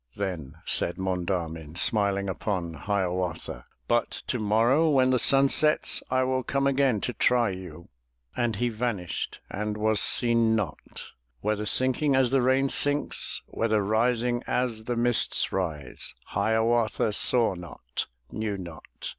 *' then said Monda'min. Smiling upon Hiawatha, "But to morrow, when the sun sets, I will come again to try you." And he vanished, and was seen not; Whether sinking as the rain sinks. Whether rising as the mists rise, Hiawatha saw not, knew not.